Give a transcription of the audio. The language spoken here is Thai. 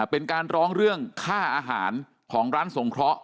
เป็นการร้องเรื่องข้าวอาหารของร้านส่งขร้อ